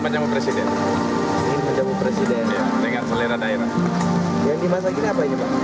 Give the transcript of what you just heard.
yang dimasak ini apa ini pak